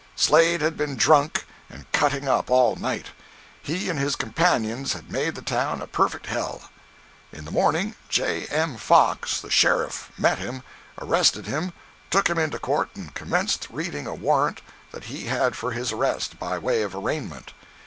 Slade had been drunk and "cutting up" all night. He and his companions had made the town a perfect hell. In the morning, J. M. Fox, the sheriff, met him, arrested him, took him into court and commenced reading a warrant that he had for his arrest, by way of arraignment.